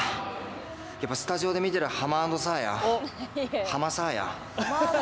やっぱスタジオで見てるハマ＆サーヤ。